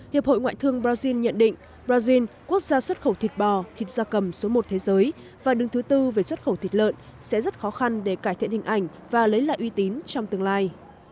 hiệp hội ngoại thương brazil nhận định brazil quốc gia xuất khẩu thịt bò thịt da cầm số một thế giới và đứng thứ tư về xuất khẩu thịt lợn sẽ rất khó khăn để cải thiện hình ảnh và lấy lại uy tín trong tương lai